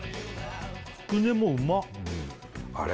つくねもうまっあれ？